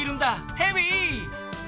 ヘビー！